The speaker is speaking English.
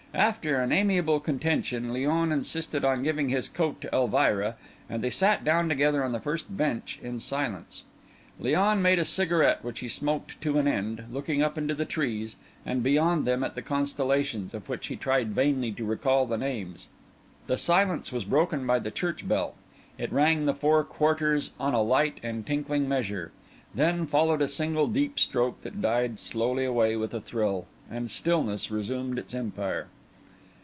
After an amiable contention, Léon insisted on giving his coat to Elvira, and they sat down together on the first bench in silence. Léon made a cigarette, which he smoked to an end, looking up into the trees, and, beyond them, at the constellations, of which he tried vainly to recall the names. The silence was broken by the church bell; it rang the four quarters on a light and tinkling measure; then followed a single deep stroke that died slowly away with a thrill; and stillness resumed its empire.